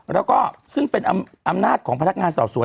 แล้วก็ซึ่งเป็นอำนาจของพนักงานสอบสวน